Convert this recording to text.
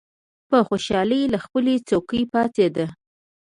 په خوشالۍ له خپلې څوکۍ پاڅېد.